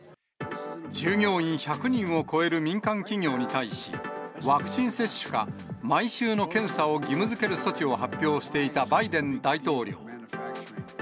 従業員１００人を超える民間企業に対し、ワクチン接種か、毎週の検査を義務づける措置を発表していたバイデン大統領。